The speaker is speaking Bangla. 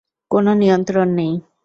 কোনো নিয়ন্ত্রণ নেই।